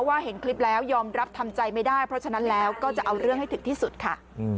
เห็นคลิปแล้วยอมรับทำใจไม่ได้เพราะฉะนั้นแล้วก็จะเอาเรื่องให้ถึงที่สุดค่ะ